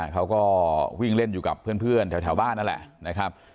เขาก็วิ่งเล่นอยู่กับเพื่อนแถวบ้านนั่นแหละนะครับ